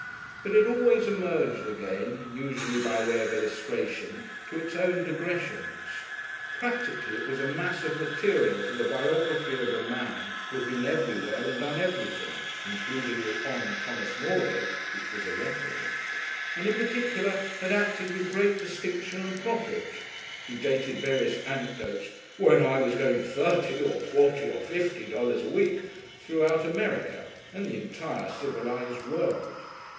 But it always emerged again, usually by way of illustration to its own degressions. Practically it was a mass of material for the biography of a man who had been everywhere and done everything (including the Hon. Thomas Norgate, which was a Record), and in particular had acted with great distinction and profit (he dated various anecdotes, "when I was getting thirty, or forty or fifty, dollars a week") throughout America and the entire civilised world.